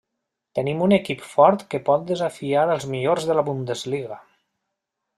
Tenim un equip fort que pot desafiar els millors de la Bundesliga.